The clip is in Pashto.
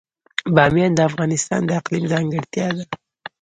بامیان د افغانستان د اقلیم ځانګړتیا ده.